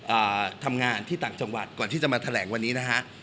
อ่าทำงานที่ต่างจังหวัดก่อนที่จะมาแถลงวันนี้นะฮะ